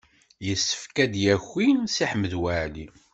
Yessefk ad d-yaki Si Ḥmed Waɛli.